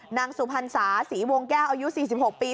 นางสุภัณฑ์สาธารณ์สีวงแก้อายุสี่สิบหกปี